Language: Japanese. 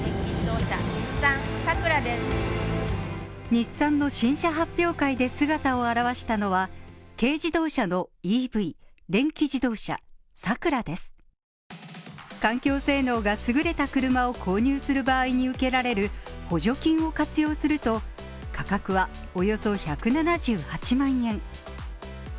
日産の新車発表会で姿を現したのは、軽自動車のＥＶ＝電気自動車「ＳＡＫＵＲＡ」です環境性能が優れた車を購入する場合に受けられる補助金を活用すると、価格はおよそ１７８万円